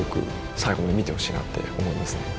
最後まで見てほしいなって思いますね。